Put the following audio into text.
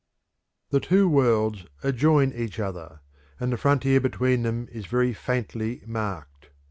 The two worlds adjoin each other, and the frontier between them is very faintly marked.